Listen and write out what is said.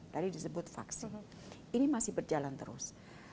tadi disebut vaksin ini masih berjalan terus